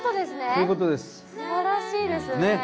すばらしいですよね。